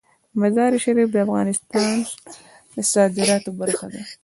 مزارشریف د افغانستان د صادراتو برخه ده.